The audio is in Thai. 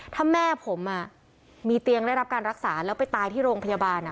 ถ้าแม่ผมมีเตียงได้รับการรักษาแล้วไปตายที่โรงพยาบาล